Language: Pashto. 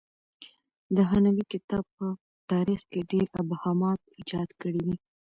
د هانوې کتاب په تاریخ کې ډېر ابهامات ایجاد کړي دي.